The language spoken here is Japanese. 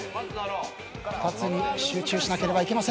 ２つに集中しなければいけません。